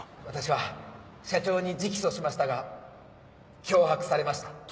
私は社長に直訴しましたが脅迫されました。